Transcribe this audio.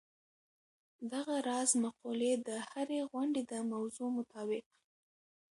دغه راز مقولې د هرې غونډې د موضوع مطابق.